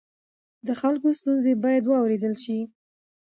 د خلکو ستونزې باید واورېدل شي.